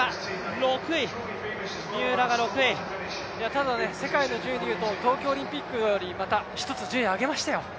ただ、世界の順位でいうと、東京オリンピックよりまた１つ順位を上げましたよ。